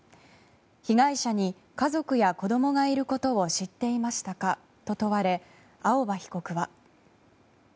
被害者に家族や子供がいることを知ってしましたかと問われ青葉被告は。